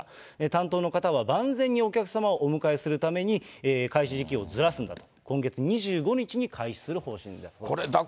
担当の方は、万全にお客様をお迎えするために、開始時期をずらすんだと、今月２５日に開始する方針だということです。